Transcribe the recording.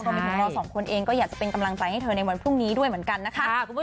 ไปถึงเราสองคนเองก็อยากจะเป็นกำลังใจให้เธอในวันพรุ่งนี้ด้วยเหมือนกันนะคะ